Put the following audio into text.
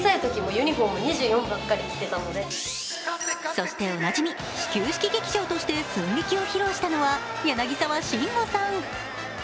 そして、おなじみ始球式劇場として寸劇を披露したのは柳沢慎吾さん。